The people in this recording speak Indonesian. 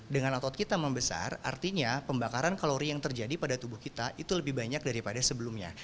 dengan otot kita membesar artinya pembakaran kalori yang terjadi pada tubuh kita itu lebih banyak daripada sebelumnya